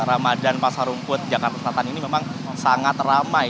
ramadan pasar rumput jakarta selatan ini memang sangat ramai